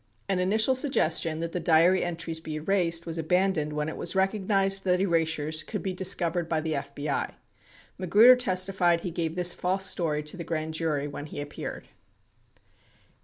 An initial suggestion that the diary entries be erased was abandoned when it was recognized that erasures could be discovered by the FBI. Magruder testified he gave this false story to the grand jury when he appeared.